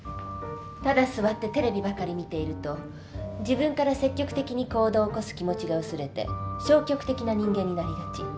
ただ座ってテレビばかり見ていると自分から積極的に行動を起こす気持ちが薄れて消極的な人間になりがち。